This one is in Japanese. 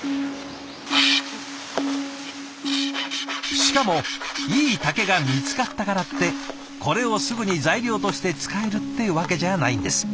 しかもいい竹が見つかったからってこれをすぐに材料として使えるってわけじゃないんです。